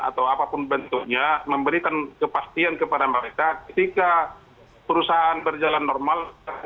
atau apapun bentuknya memberikan kepastian kepada mereka ketika perusahaan berjalan normal